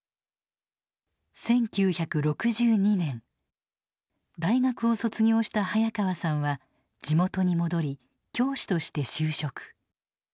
１９６２年大学を卒業した早川さんは地元に戻り教師として就職。